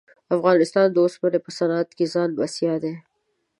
افغانستان د اوسپنې په صنعت کښې ځان بسیا دی.